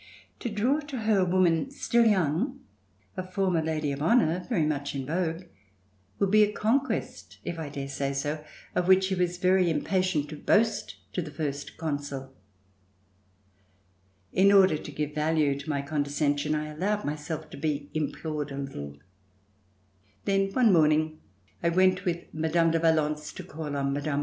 To draw to her a woman still young, a former Lady of Honor very much in vogue, would be a conquest, if I dare say so, of which she was very impatient to boast to the First Consul. In order to give value to my con (('(( RETURN TO PARIS descension, I allowed myself to be implored a little, then one morning, I went with Mme. de Valence to call on Mme.